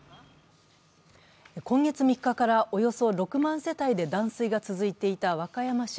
今月３日からおよそ６万世帯で断水が続いていた和歌山市。